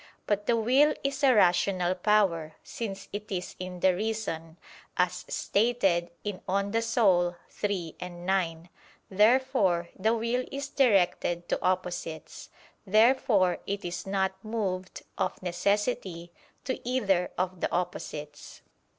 But the will is a rational power, since it is in the reason, as stated in De Anima iii, 9. Therefore the will is directed to opposites. Therefore it is not moved, of necessity, to either of the opposites.